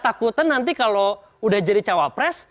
takutnya nanti kalau sudah jadi cawapres